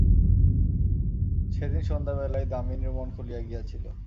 সেদিন সন্ধ্যাবেলায় দামিনীর মন খুলিয়া গিয়াছিল।